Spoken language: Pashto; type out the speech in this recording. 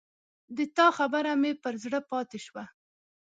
د تا خبره مې پر زړه پاته شوه